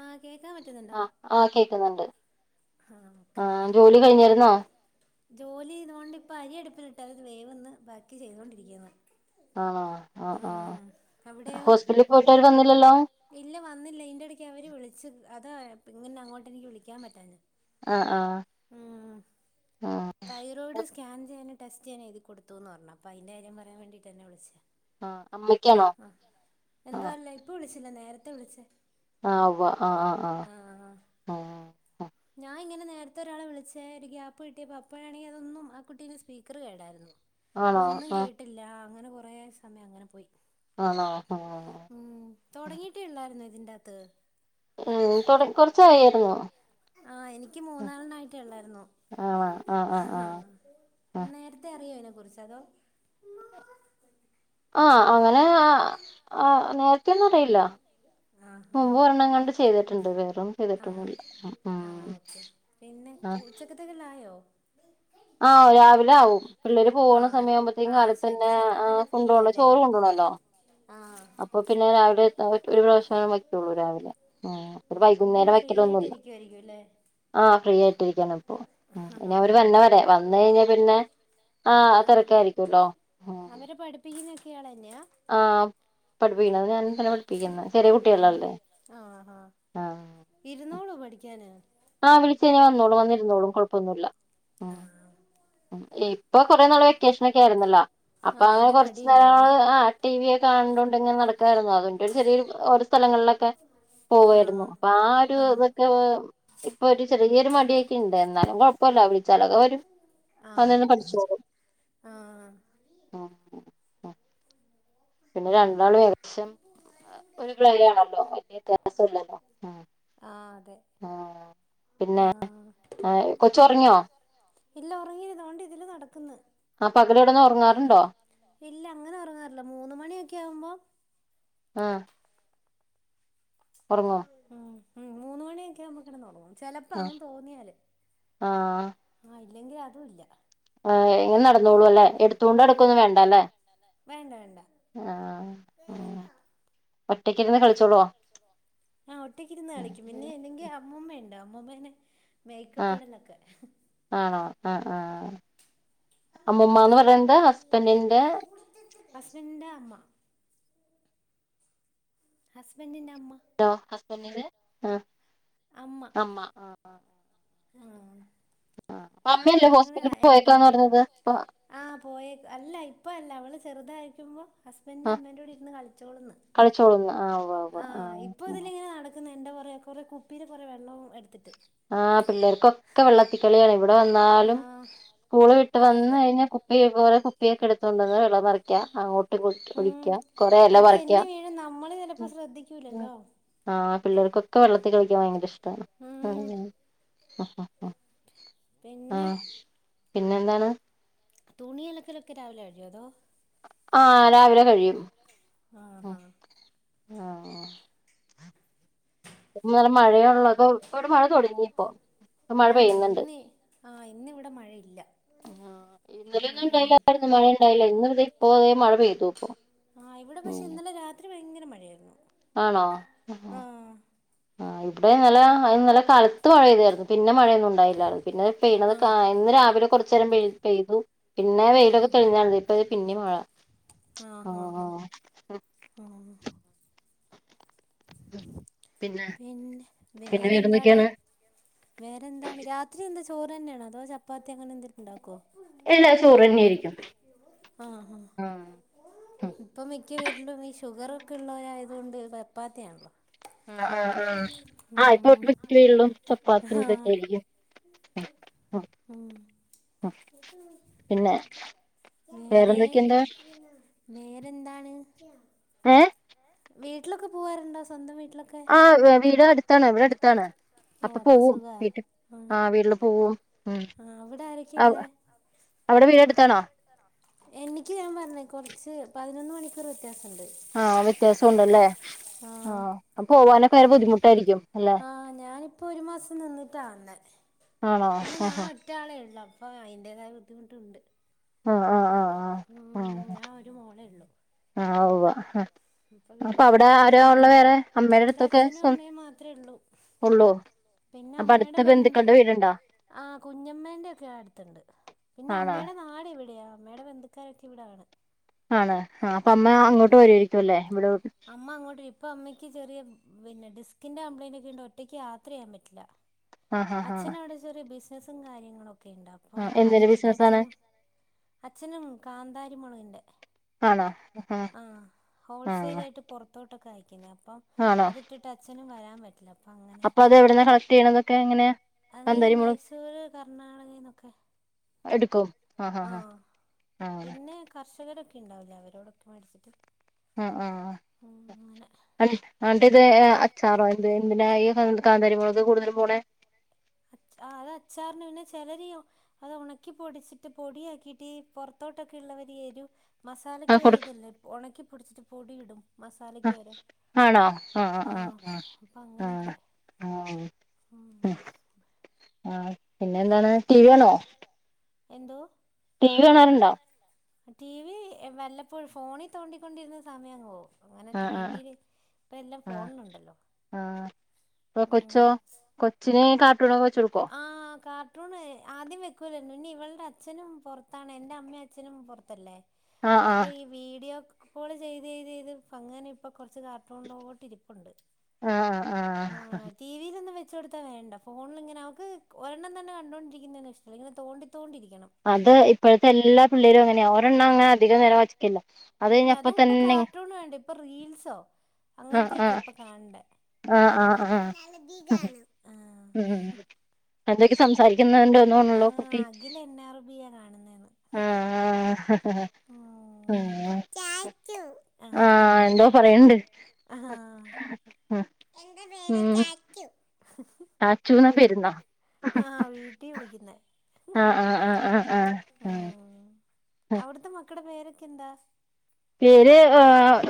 ആഹ് കേക്കാൻ പറ്റുന്നുണ്ടോ ആഹ് ആ കേക്കുന്നുണ്ട്. ആഹ് ആ ഓക്കെ ജോലി കഴിഞ്ഞിരുന്നോ? ജോലി ചെയ്തോണ്ട് ഇപ്പ അരിയടുപ്പിലിട്ട് അത് വേവ്ന്ന് ബാക്കി ചെയ്യേണ്ടിയിരിക്കുന്ന്. ആഹാ ആഹാ. അവിടെയോ ഇല്ല വന്നില്ല ഇന്റെടക്ക് അവര് വിളിച്ച്. അതെ ഇങ്ങനെ അങ്ങോട്ട് എനിക്ക് വിളിക്കാൻ പറ്റാഞ്ഞെ. ആഹ് ആഹ് ഉം ആഹ് തൈറോയിഡ് സ്കാൻ ചെയ്യാന്. ടെസ്റ്റിനെഴുതി കൊടുത്തുന്ന് പറഞ്ഞു അപ്പൊ അയിന്റെ കാര്യം പറയാൻ വേണ്ടിയിട്ട് എന്നെ വിളിച്ചയാ ആഹ് അമ്മയ്ക്കാണോ ആ എന്തോ അല്ല ഇപ്പൊ വിളിച്ചില്ല നേരത്തെ വിളിച്ചേ ആ ഉവ്വ് ആഹ് ആഹ് ആഹ് ആഹ് ആഹ് ഞാൻ ഇങ്ങനെന്നെ നേരത്തെ ഒരാളെ വിളിച്ചേ ഒരു ഗ്യാപ്പ് കിട്ടിയപ്പോ അപ്പോഴണെങ്കി അതൊന്നും ആ കുട്ടീന്റെ സ്പീക്കർ കേടായിരുന്നു അപ്പൊ ആണോ ഒന്നും ആഹ് കേട്ടില്ല അങ്ങനെ കൊറെ സമയം അങ്ങനെ പോയി. ആണോ ആഹ് ഉം തുടങ്ങിട്ടേ ഉള്ളായിരുന്നോ ഇതിന്റെകത്ത് ഉം തുട കൊറച്ചായിരുന്നു. ആഹ് എനിക്ക് മൂന്നാളിനായിട്ടെ ഉള്ളായിരുന്നു ആണോ ആഹ് ആഹ് ഹ് ആഹ് ഹാ ആഹ് നേരത്തെ അറിയോ അതിനെ കുറിച്ച് അതോ ആഹ് അങ്ങനെ ആഹ് ആഹ് നേര [unintelligible] ആ ഹാ മുമ്പ് ഒരെണ്ണം ങ്ങാണ്ട് ചെയ്തിട്ടുണ്ട് വേറെ പ്പം ആ ചെയ്തിട്ടൊന്നുല്ല ഉം ഉം ആ ഓക്കെ പിന്നെ ആഹ് ഉച്ചക്കത്തേക്കുള്ളായോ ആഹ് രാവിലെ ആവും പിള്ളേര് ആ പോകണ സമയ ആ ആകുമ്പോത്തേക്കും കാലത്ത് ശരി തന്നെ ശരി അപ്പോൾ ആ പിന്നെ ഫ്രീ കൊണ്ടോവള്ള അല്ലേ ചോറ് കൊണ്ടു പോണല്ലോ ആ അപ്പൊ പിന്നെ രാവിലെ ഒരു പ്രാവശ്യ വ്യക്കയുള്ളൂ രാവിലെ ഉം ആ ഒരു അപ്പോൾ വൈകുന്നേരം പിന്നെ ഫ്രീ വയ്ക്കൽന്നുല്ല ആയിട്ടിരിക്കുമായിരിക്കും അല്ലേ ആഹ് ഫ്രീ ആയി ട്ടിരിക്കാണിപ്പോ ഉം ഇനി അവര് ആഹ് വര്ണ വരെ വന്ന് കഴിഞ്ഞാ പിന്നെ ആ ആഹ് തിരക്കായിരിക്കുംല്ലോ ആ അവരെ പഠിപ്പിക്കുന്നൊക്കെ ഇയാളെന്നെയാ ആഹ് പഠിപ്പിക്കുന്നത് ഞാൻ തന്നെ പഠിപ്പിക്കുന്നെ ചെറിയ ഉം കുട്ടികളല്ലേ ആഹ് ആഹ് ആഹ് ഇരുന്നോളോ പഠിക്കാന്? ആഹ് വിളിചെയ്ഞ്ഞ വന്നോളും വന്നിരുന്നോളും കൊഴപ്പൊന്നുല്ല. ഉം ആഹ് ഇപ്പൊ കൊറെേ നാള് വെക്കേഷൻ ഒക്കെ ആയിരുന്നല്ലോ അപ്പൊ അങ്ങനെ അയിന്റെ കൊർച്ചു മടി ഇണ്ടാവുല്ലേ നേരങ്ങള് ആഹ് ടി വിയൊക്കെ കണ്ടോണ്ട് ഇങ്ങനെ നട- ക്കായിരുന്നു അതിന്റെ ഒരു ചെറിയൊരു ഓരോ സ്ഥലങ്ങളിലൊക്കെ പോവായിരുന്നു ആഹ് അപ്പൊ ആഹ് ഒരു ഇതൊക്കെ ഇപ്പൊ ഒരു ചെറിയൊരു മടിയൊക്കെ ഇണ്ട് എന്നാലും കുഴപ്പല്ല വിളിച്ചാലൊക്കെ വരും ആഹ് അന്നന്നെ പഠിച്ചോളും ആഹ് ആഹ് ആഹ് പിന്നെ രണ്ടാള് വേറെ ദേശം ഒര് പ്രായാണല്ലോ വല്യ [unintelligible] ആഹ് അതെ ആഹ് പിന്നെ ആഹ് കൊച്ചുറങ്ങിയോ ഇല്ല ഉറങ്ങിയില്ല തോണ്ട് ഇതിലെ നടക്കുന്നു ആ പകല് കിടന്നോറങ്ങാറുണ്ടോ ഇല്ല അങ്ങനെ ഉറങ്ങാറില്ല മൂന്ന് മണിയൊക്കെ ആവുമ്പോ- ആഹ് ഉറങ്ങോ മ മൂന്നു മണിയൊക്കെ ആവുമ്പൊ കിടന്നുറങ്ങും ചെപ്പോ അവൾക്ക് തോന്നിയാല് ആ ആഹ് ഇല്ലെങ്കിൽ അതും ഇല്ല ആഈ ഇങ്ങനെ നടന്നോളൂല്ലേ എടുത്തോണ്ട്ടക്കൊന്നും വേണ്ടല്ലേ വേണ്ട വേണ്ട ആഹ് ഉ ഒറ്റക്കിരുന്ന് കളിച്ചോളോ ആഹ് ഒറ്റക്കിരുന്ന് കളിക്കും പിന്നെ അല്ലെങ്കിൽ അമ്മൂമ്മയണ്ട് അമ്മമ്മേനെ ആഹ് മേക്കപ്പെടുന്നതൊക്കെ ആണോ ആഹ് ആഹ് അമ്മൂമ്മന്ന് പറയത് ഹസ്ബൻറിന്റെ ഹസ്ബൻഡിന്റെ അമ്മ ഹസ്ബൻഡിന്റെമ്മ ആ ഹസ്ബന്റിന്റെ ആഹ് അമ്മ ആഹ് അമ്മയല്ലേ ഞങ്ങള് ഹോസ്പിറ്റല് പോയക്കാന്ന് പറഞ്ഞത് പോയ അല്ല ഇപ്പ അല്ല അവള് ചെറുതായിരിക്കുമ്പോൾ ഹസ്ബൻഡറിന്റെ ആഹ് അമ്മേ് ടെ കൂടി ഇരുന്ന് കളിച്ചോളന്ന് വോ വോ ആഹ് എന്താ പറയാ കുറെ കുപ്പീൽ കുറെ വെള്ളം എടുത്തിട്ട് ആ പിള്ളേർക്കൊക്കെ വെള്ളത്തി കളിയാണ് വിടെ ടെ വന്നാലും ആഹ് സ്കൂള് വിട്ട് അതെ വന്ന് അതെ കഴിഞ്ഞ കു ചെയ ഒക്കെ എടുത്തോണ്ട് വെള്ളം നിറിക്കാം അങ്ങോട്ട് ഉം കുടിക്ക കൊറ എല അത് പറിക്ക തെന്നി വീഴും നമ്മള് ചെലപ്പോ ശ്രദ്ധിക്കൂലല്ലോ ആഹ് പിള്ളേർക്കൊക്കെ വെള്ളത്തിൽ കളിക്കാൻ ഭയങ്കര ഇഷ്ട ഉം ആഹ് ആഹ് പിന്നെ പിന്നെന്താണ് തുണി അലക്കലൊക്കെ രാവിലെ കഴിയോ അതോ ആഹ് രാവിലെ കഴിയും ആഹ് ആഹ് നല്ല മഴയൊള്ളപ്പ ഇടെ മഴ തൊടങ്ങിപ്പോ മഴ പെയ്യുന്നുണ്ട് ആഹ് ഇന്നവിടെ ആഹ് ഇന്നലെ ഒന്നും ഉം ഇണ്ടായില്ല ആഹ് മഴണ്ടായില്ല ഇന്ന് ഇപ്പോ മഴ പെയ്തു ഇപ്പോ ആഹ് ഇവിടെ പക്ഷെ ഇന്നലെ രാത്രി ഭയങ്കര മഴയായിരുന്നു ആണോ ആഹ് ആഹ് ഇവിടെ ഇന്നലെ നല്ല കാലത്ത് മഴെയ്തായിരുന്നു പിന്നെ മഴ- ണ്ടായി പിന്നെ പെയ് ആഹ് ഇന്ന് രാവിലെ കുറച്ച നേരം പെയ്തു പിന്നെ ആഹ് വെയിലൊക്കെ തെളിഞ്ഞ ഇപ്പത് പിന്നിം മയ ആഹ് ഹാ ഹാ ഹ മ് പിന്നെ വേറെന്താടാ വേറെന്താണ് രാത്രി എന്താ? ചോറ് തന്നെയണതോ ചപ്പാത്തി അങ്ങെന്തെങ്കണ്ടാക്കുമോ? എല്ലാ സൂറന്നെ ആായിരിക്കും. ആഹ് വരിലും ഈ ഷുഗർ ഒക്കെ ഉള്ളവരയതുകൊണ്ട് പപ്പാത്തിയാ ണല്ലോ? ആ ആ ആ ആ്പ്പ [unintelligible] ള്ളൂ ചപ്പാത്തിന് പറ്റായിരിക്കും. ഉമ് പിന്നെ [unintelligible] വേരെ വേറെന്തൊക്കെയുണ്ട് വേരെന്താണ് ഏ വീട്ടിലൊക്കെ പോവാറുണ്ടോ സ്വന്തംമായി ആഹ വീടെ അടുത്താണ് ഇവിടെ അടുത്താണ് അപ്പൊ ഓ പോവും സുഖാ വീട്ടിൽ ആ വീട്ടില് പോകവും ആ അവിടെ ഉ ആരൊക്കെയുള്ളേ അവിടെ വീടെ എടുത്തണോ എനിക്ക് ഞാൻ പറഞ്ഞേ കൊറച്ച് പതിനൊന്ന് മണിക്കൂർ വ ആഹ വ്യത്യാസംണ്ടല്ലേ ആ ആഹ ബുദ്ധിമുട്ടായിരിക്കും അല്ലെ [inaudible] ഞാനിപ്പോൊ ഒരു മാസം നിന്നിട്ടാണ് ആണോ പിന്നെ ഞാന ആഹാ ഒറ്റ ആളേ ഉള്ളു അപ്പൊ അയിന്റേതായ ബുദ്ധിമുട്ടുണ്ട് ആഹ ആഹ ആഹ് ആഹ ഉം ഉഹ ഞാൻ ഒരു ആ ആ ഉവ്വ് [unintelligible] ഇപ്പൊ വീട്ടില അമ്മയുടെ നമ്മടെ അച്ഛനും അമ്മയും മാത്രമേ ഉള്ളു ഉള്ളോ പിന്നെ അമ്മയുടെ ബന്ധം ആഹ കുഞ്ഞമ്മേന്റെ ഒക്കെ അടുത്തുണ്ട് പിന്നെ ആണോ അമ്മയുടെ നാട് എവിടെയാ അമ്മയുടെ ബന്ധുക്കാരൊക്കെ ഇവിടൊണ് ആണ് ആ അപ്പ അമ്മ അങ്ങോട്ട് വരയിരിക്കുംല്ലേ അമ്മ അങ്ങോട്ട് ഇപ്പൊ അമ്മയ്ക്ക് ചെറിയ പിന്നെ ഡിസ്കിൻ്റെ കംപ്ലയിൻറ് ഒക്കെ ഉണ്ട് ഒറ്റക്ക്യാത്ര ചെയ്യൻ പറ്റില്ല ആ ആ അച്ഛന അവിടെ ചെറിയ ബിസിനസ്സും കാര്യങ്ങളുംക്കെ ഒക്കെണ്ട് ആ അപ്പം എന്തിന്റെ അതിട്ടിട്ട് ബിസിനസാണ് അച്ഛനും അച്ഛനും കാന്താരി മുളകൻന്റെ ആണോ ഹ ആഹ ത്തോട്ടൊക്കെ കയക്കുന്നേ അപ്പം അത്ട്ടിട്ട് അച്ഛനും വരാൻ പറ്റില്ല അപ്പൊ അത് എവിടെന്ന കളക്ട് ചെയ്യണതൊക്കെ എങ്ങനെയാ അത് മൈസൂര് കർണാടകന്നൊക്കെ എടുക്കോ ആഹ് ഹഹ് ആഹ ആഹ പിന്നെ കർഷകരൊക്കെ ഉണ്ടാവില്ല അവരോടൊക്കെ മേടി ച്ചിട്ട് ആ ആ ആട്ടത് ആ ആ ചാറോ എ എന്തിന കാന്തരിമളക്കെ കൂടുതലും പോണ അച് ആ അത് അച്ചാറിന് പിന്നെ ചിലരോ അത് ഉണക്കി പൊടിച്ചിട്ട് പൊടിയാക്കിട്ട് പുറത്തോട്ടൊക്കെ ഉള്ള രു [unintelligible] മസാലക് ആഹ് കൊടുക്ക ഇതല്ലേ ഉണക്കിപ്പൊടിച്ചിട്ട് പൊടിയിടും മസാലക്യാരം ആഹ ആഹ ആഹ ആഹ ഉം ഉ ആ പിന്നെ എന്താണ് ടി വി ആണോ എന്തോ തീ കാണാറുണ്ടോ ടി വി വല്ലപ്പോഴ ഫോണിൽ തോണ്ടിക്കൊണ്ടിരുന്ന സമയം അങ്ങങ്ോവും അങ്ങനെ ആഹ് ആഹ് ടിവിയില് ഇപ്പ എല്ലാം ഫോണുണ്ടല്ലോ ഇപ്പൊ കൊച്ചോ കൊച്ചിനെ കാ ആഹ കാർട്ടൂണ് ആദ്യം വെക്കൂല നി ഇവളടെ അച്ഛനും പുറത്താണ് എന്റെ അമ്മയും അച്ഛനും പുൊറത്തല്ലേ ആഹ് അപ്പൊ ആഹ് ഈ വീഡിയോ അപ്പോള് ചെയ്ത് ചെയ്ത് ചെയ്ത് അങ്ങനെ ഇപ്പൊ കൊറച്ച് കാർട്ടൂണ്ട് പോട്ട് ഇരിപ്പുണ്ട് ആഹ ആഹ ആഹ ആഹ് ടി വിയിലൊന്നും വെച്ച് കൊടുത്താ വേണ്ട ഫോണിൽ ഇങ്ങനെ അവക്ക് ഒരെണ്ണം തന്നെ കണ്ടോണ്ടരിക്കുന്ന ഇഷ്ട ഇനെ തോ അതേ ഇപ്പോഴത്തെ എല്ലാ പിള്ളേരും അങ്ങനെ ഒരെണ്ണം അങ്ങനെ അധികം നേരം വെച്ച് ഇല്ല അതും ഇപ്പൊ കാർട്ടൂൺ വേണ്ട ഇപ്പൊ റീൽസോ ആഹ് അങ്ങനത്തെയൊക്കെ ആഹ് ഇപ്പൊ കാണണ്ടേ ആഹ് ആഹ് ആ ഉമ് എന്തൊക്കെ സംസാരിക്ക എന്തോന്നോണല്ലോ ആഹ് കുട്ടി അഖിൽ എൻ ആർ ബിയാ കാണുന്നേന്ന് ആഹ ആ ഉം ചാച്ചു ആ എന്തോ പറയണ്ട് ആ എന്റെ പേര് ചാച്ചു ചാചൂന്ന പെരുന്നാ ആ വീട്ടി വിളിക്കുന്നേ ആ ആ ആ ആ ആ ഹ അവിടത്തെ മക്കടെ പേരൊക്കെ എന്താ? പേര് ഏ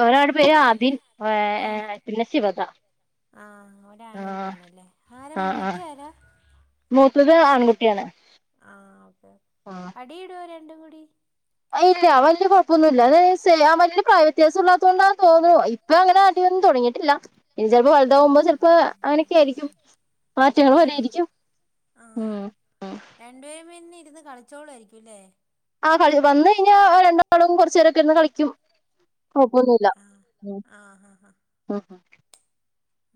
ഒരാള്ടെ പേര് ആദിൻ ഏ ഏ പിന്നെ ശിവത ആ ഒരാണ് ഒരു പെണ്ണല്ലേ ആര ആഹ് ആഹ് മൂത്തിയരാ മൂത്തത് ആൺകുട്ടിയാണ് ആ അപ്പൊ ആഹ് അടിടൊ അവർ ഇല്ല വല്യ കുഴപ്പൊന്നുല്ല അത് [unintelligible] പ്രായവത്യാസം ഇല്ലാതോണ്ടാന്ന് തോന്നുന്നു ഇപ്പൊ അങ്ങനെ അടിയൊന്നും തുടങ്ങിട്ട് ഇല്ല ഇനി ചിലപ്പോ വലുതാവുമ്പോ ചിലപ്പോ അങ്ങനൊക്കെ ആയിരിക്കും മാറ്റങ്ങൾ ആഹ് വരുമായിരിക്കും ആഹ് ഉമ് ഉമ് രണ്ടുപേരും [unintelligible] കളിച്ചോളായിരിക്കുംല്ലേ ആ കളി വന്ന് കഴിഞ്ഞാ ഓരണ്ടാളും കുറച്ചു നേരൊക്കെ ഇരുന്ന് കളിക്കും ക്കുഴപ്പോന്നില്ല ആഹ് ആഹ് ആഹ് ആഹ്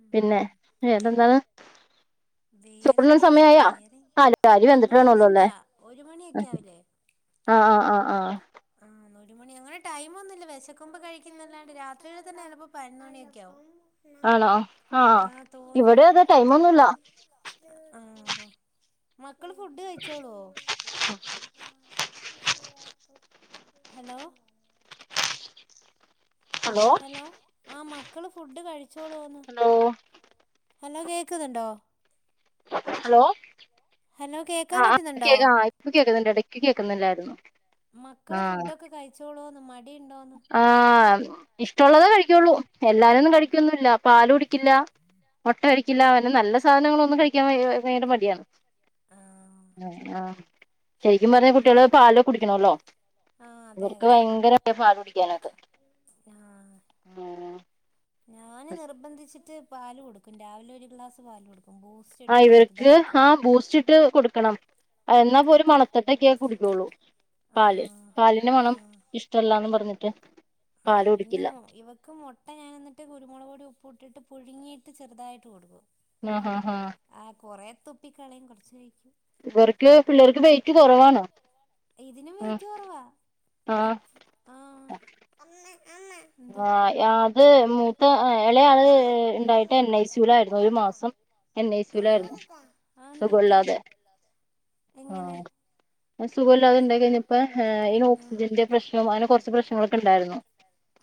ഉം പിന്നെ ഏതന്താണ് വേറെന്താടാ വേറെ അരി വെന്തിട്ട് എന്തോ വേണല്ലോ ഇല്ലല്ല അല്ലേ ഒരു മണിയൊക്കെ ആവില്ലേ ആ ആ ആ ആ ആ ഒരു മണി അങ്ങനെ ടൈം ഒന്നുമില്ല വിശക്കുമ്പ കഴിക്കുന്നല്ലാണ്ട് രാത്രിയുടെ തന്നെ ചിലപ്പോ പതിനൊന്ന് മണിയൊക്കെ ആവും ആണോ ആ ആഹ് തോ ഇവിടെ അതേ ടൈമൊന്നുല്ല ആ മക്കള് ഫുഡ് കഴിച്ചോളോ ഹലോ ഹലോ ആ മക്കള് ഫുഡ് കഴിച്ചോളോന്ന് ഹലോ ഹലോ കേക്കുന്നുണ്ടോ ഹലോ ഹലോ കേക്കാൻ ആ ആ പറ്റുന്നുണ്ടോ കേക്ക ആ ഇപ്പ കേക്ക്ന്ന്ണ്ട് ഇടക്ക് കേക്കുന്നില്ലായിരുന്നു മക്കള് ഫുഡ് ഒക്കെ കഴിച്ചോളോന്ന് മ ആ ഇഷ്ടള്ളതേ കഴിക്കുള്ളൂ എല്ലാതും ഒന്നും കഴിക്കൊന്നുല്ല പാല് കുടിക്കില്ല മുട്ട കഴക്കില്ല അങ്ങനെ നല്ല സാധനങ്ങളൊന്നും കഴിക്കാൻ വയങ്കര മടിയാണ് ആ ഉ ആ ശരിക്കും പറഞ്ഞ കുട്ടികള് പാല് കുടിക്കണല്ലോ ആ അതെ ഇവർക്ക് അതെ ഭയങ്കര മട്യ പാല് കുടിക്കാനൊക്കെ ആ ആ ഞാന് നിർബന്ധിച്ചിട്ട് പാല് കൊടുക്കും രാവിലെ ഒരു ഗ്ലാസ് പാല് കൊടുക്കും ബൂസ്റ്റ് ആ ഇട്ടിട്ട് ഇവർക്ക് ചെറുതായിട്ട് ആ ബൂസ്റ്റ് ഇട്ട് കൊടുക്കണം എന്നാപ്പൊ ഒരു മണത്തട്ടക്കെ കുടിക്കുള്ളൂ ആ പാല് പാലിന്റെ ആ മണം ഇഷ്ടല്ലാന്ന് പറഞ്ഞിട്ട് ആ പാല് കുടിക്കില്ല പിന്നേം ഇവക്ക് മുട്ട ഞാൻ ന്നിട്ട് കുരുമുളക് പൊടി പുട്ടിട്ട് പുഴുങ്ങിട്ട് ചെറുതായിട്ട് കൊടുക്കും ആഹ ആ കൊറെ തുപ്പി കളയും കൊറച്ച് കഴിക്കും ഇവർക്ക് പിള്ളേർക്ക് വെയിറ്റ് കൊറവാണ് ഇതിനും വെയിറ്റ് കൊറവാ ആ ഇപ് ആഹ് എന്തോ ആഹ് അത് മൂത്ത ആ ഇളയാള് ആഹ് ഇണ്ടായിട്ട് എൻ ഐ സ്യു ലായിരുന്നു ഒരു മാസം എൻ ഐ സ്യുലായിരുന്നു അതെന്ത് പറ്റി സുഖല്ലാദേ എങ്ങനെ സുഖല്ലാതെ ഇണ്ടാഴി കഴിഞ്ഞപ്പോ ഈ ഓക്സിജന്റെ പ്രശ്നം അങ്ങെനെ കുറച്ച് പ്രശ്നങ്ങളൊക്കെ ഉണ്ടായിരുന്നു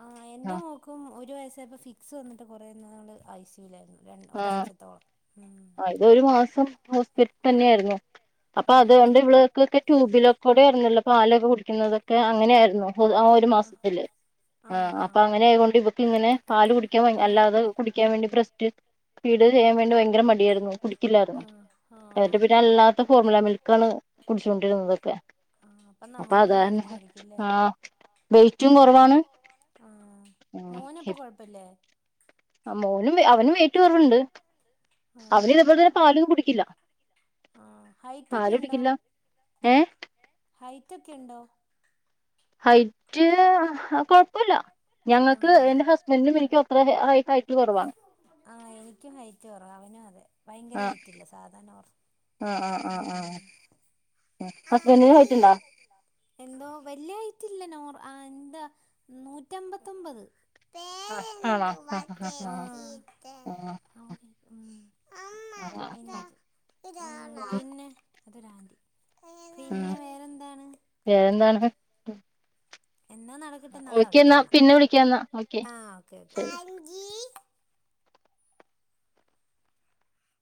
ആ എന്റെ മോക്കും ഒരു വയസ്സായപ്പോ ഫിക്സ് വന്നിട്ട് കുറെ ന്നാള് അയ്‌സിയൂവിലായിരുന്നു ആഹ അതരു മാസം ഹോസ്പിറ്റൽ തന്നെയായിരുന്നു, അപ്പൊ ആഹാ അതൊണ്ട് ഇവൾക്കൊക്കെ ട്യൂബിലൊ കൂടെ [unintelligible] പാലൊക്കെ കുടിക്കുന്നതൊക്കെ അങ്ങനെയായിരുന്നു ആ ഒരു മാസത്തില് ആ ആഹാ അപ്പൊ അങ്ങനെ ആയൊണ്ട് ഇവക്ക് ഇങ്ങനെ പാല് കുടിക്കാൻ ആഹ് അല്ലാതെ കുടിക്കാൻ വേണ്ടി ബ്രസ്റ്റ് ഫീട് ചെയ്യാൻ വേണ്ടി ഭയങ്കര മടിയായിരുന്നു കു ല്ലായിരുന്നു ആഹ് എന്നിട്ട് ആഹ് പിന്നെ അല്ലാത്ത ഫോർമുല മിൽക്കാണ് കുടിച്ചോണ്ടിരുന്നതൊക്കെ ആഹ് അപ്പം അപ്പൊ നമുക്കും ഒരു അതാരണം വെഷമായിരിക്കുംല്ലേ ആ വെറ്റും കുറവാണ് മോനപ്പം കൊഴപ്പല്ലേ മോനും അവനും വെയ്റ്റ്‌ കുറവുണ്ട് അവന് ഇതേ ആഹ് പോലെ തന്നെ പാലൊന്നും കുടിക്കില്ല ആ ഹൈറ്റ് ഒക്കെ ഉണ്ടോ പാലുടിക്കില്ലാ ഏ റ്റക്കെയുണ്ടോ ഹയിറ്റ്‌ ആ കൊയ പ്പല്ലാ ആ ഞങ്ങക്ക് എന്റെ ഹുസ്‌ബെൻഡിനും എനിക്കും അത്ര ഹൈറ്റ് കൊറവാ ആഹ എനിക്കും ഹൈറ്റ് കുറവ അവനും അതെ ഭയങ്കര ഹൈറ്റ്‌ ഇല്ല സാധാ നോർ ആ ആ ആ ഉം ആ ഹസ്ബൻഡ്ന് ഹൈറ്റ്‌ണ്ടോ എന്തോ വല്യ ഹൈറ്റില്ല നോർ എന്താ നൂറ്റമ്പത്തൊമ്പത് ആ ആണോ പേരെന്തുവാ ഹഹ ഹഹ ചേച്ചീടെ ആ ആ പിന്നെ [unintelligible] അതൊരാന്റി ഉം പിന്നെ വേറെന്താണ് വേറെന്താണ് എന്നാ നടക്കട്ടെ നാളെ ഓക്കെ എന്നാ വിളിക്കാന്ന പിന്നെ വിളിക്കാന്നാ ഓക്കെ ശരി ആന്റീ